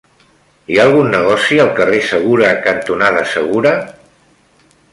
Hi ha algun negoci al carrer Segura cantonada Segura?